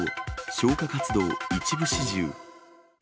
消火活動一部始終。